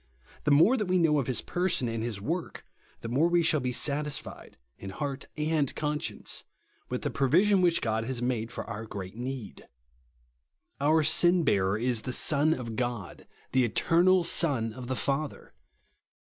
The more that we know^ of his person and his work, the more shall we be satisfied, in heart and conscience, wdth the provision which God has made for our great need Our sin beaxer is the Son of God, the THE PERSON AXD WORK OF THE SUBSTITUTE. 65 eternal Son of the Father.